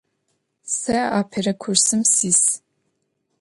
Сэ апэрэ курсым сис.